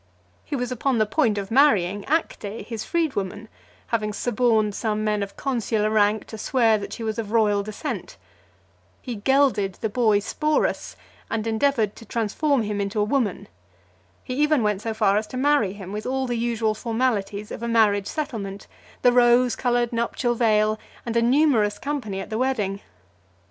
He was upon the point of marrying Acte , his freedwoman, having suborned some men of consular rank to swear that she was of royal descent. He gelded the boy Sporus, and endeavoured to transform him into a woman. He even went so far as to marry him, with all the usual formalities of a marriage settlement, the rose coloured nuptial veil, and a numerous company at the wedding.